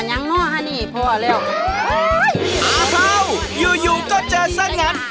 อ้าเภาอยู่ก็เจอสักนั้น